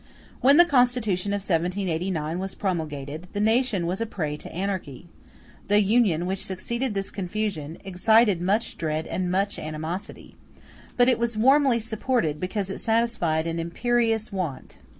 *v When the Constitution of 1789 was promulgated, the nation was a prey to anarchy; the Union, which succeeded this confusion, excited much dread and much animosity; but it was warmly supported because it satisfied an imperious want.